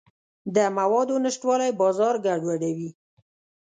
د موادو نشتوالی بازار ګډوډوي.